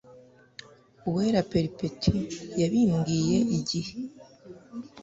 Uwera Perpétue, yabibwiye IGIHE